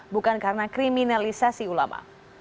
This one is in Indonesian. bukan karena kriminalisasi ulama